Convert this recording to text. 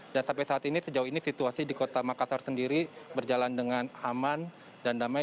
dan sampai saat ini sejauh ini situasi di kota makassar sendiri berjalan dengan aman dan damai